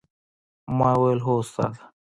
ما وويل هو استاده!